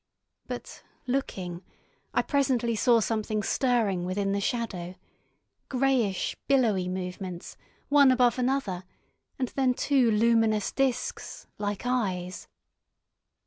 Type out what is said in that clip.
But, looking, I presently saw something stirring within the shadow: greyish billowy movements, one above another, and then two luminous disks—like eyes.